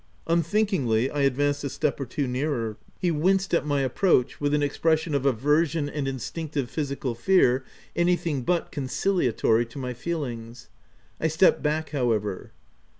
*' Unthinkingly I advanced a step or two nearer. He winced at my approach, with an expression of aversion and instinctive physical fear anything but conciliatory to my feelings. I stepped back however.